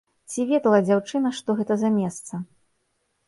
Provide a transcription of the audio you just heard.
Ці ведала дзяўчына, што гэта за месца?